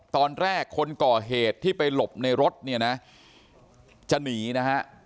ตอนแรกคนก่อเหตุที่ไปหลบในรถเนี่ยนะจะหนีนะฮะ